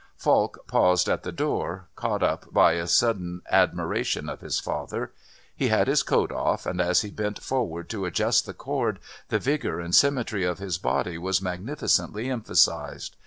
Falk paused at the door, caught up by a sudden admiration of his father. He had his coat off, and as he bent forward to adjust the cord the vigour and symmetry of his body was magnificently emphasized.